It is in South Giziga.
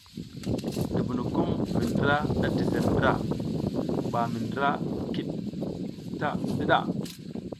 Dubunukum mi ndra da tizer ndra ɓa mi ndra kiɗ ta ndiɗa.